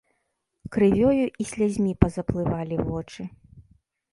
Крывёю і слязьмі пазаплывалі вочы.